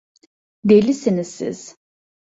Delisiniz siz.